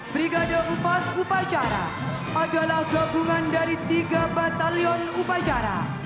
brigada upacara adalah gabungan dari tiga batalion upacara